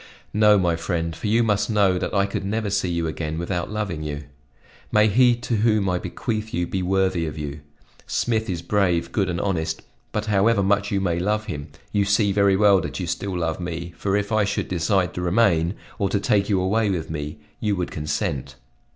"No, my friend, for you must know that I could never see you again without loving you. May he to whom I bequeath you be worthy of you! Smith is brave, good and honest, but however much you may love him, you see very well that you still love me, for if I should decide to remain, or to take you away with me, you would consent."